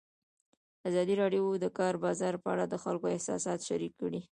ازادي راډیو د د کار بازار په اړه د خلکو احساسات شریک کړي.